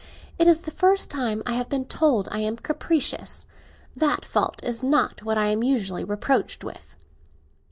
It is the first time I have been told I am capricious. That fault is not what I am usually reproached with."